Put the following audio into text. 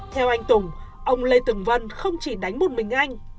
theo anh tùng ông lê từng vân không chỉ đánh một mình anh